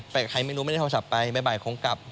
แต่ใครไม่รู้ไม่ได้โทรศัพท์ไปบ่ายคงกลับ